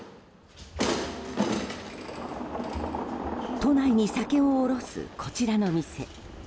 都内に酒を卸す、こちらの店。